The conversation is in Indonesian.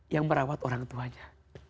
yang merawat orang tuanya